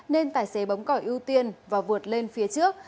nên tài xế bấm cỏi ưu tiên và vượt lên phía trước